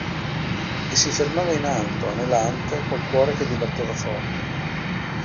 E si fermava in alto, anelante, col cuore che gli batteva forte.